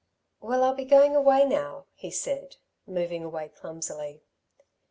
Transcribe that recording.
"Well, I'll be going now," he said, moving away clumsily.